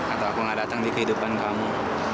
atau aku gak datang di kehidupan kamu